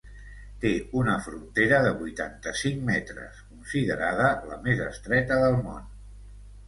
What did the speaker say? Té una frontera de vuitanta-cinc metres, considerada la més estreta del món.